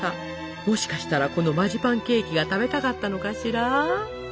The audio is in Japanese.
もしかしたらこのマジパンケーキが食べたかったのかしら？